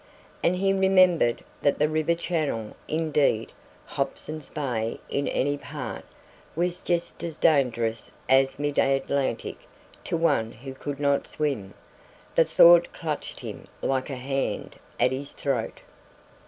And he remembered that the river channel indeed, Hobson's Bay in any part was just as dangerous as mid Atlantic to one who could not swim. The thought clutched him like a hand at his throat.